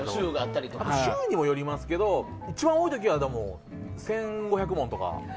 週にもよりますけど一番多い時は１５００問とか。